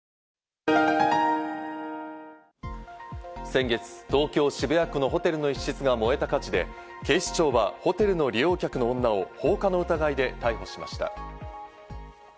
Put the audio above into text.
先月、東京・渋谷区のホテルの一室が燃えた火事で、警視庁はホテルの利用客の女を放火の疑いで逮捕しました。